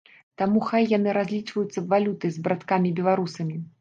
Таму хай яны разлічваюцца валютай з браткамі-беларусамі.